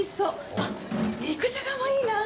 あっ「肉じゃが」もいいなあ！